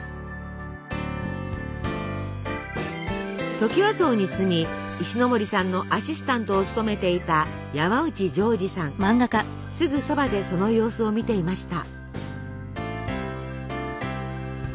トキワ荘に住み石森さんのアシスタントを務めていたすぐそばでその様子を見ていました。